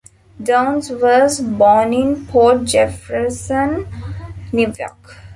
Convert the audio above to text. Downs was born in Port Jefferson, New York.